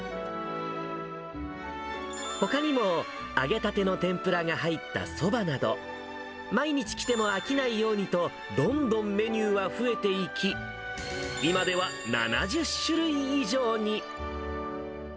ほかにも、揚げたての天ぷらが入ったそばなど、毎日来ても飽きないようにと、どんどんメニューは増えていき、今では７０種類以上に。